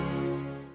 sampai jumpa lagi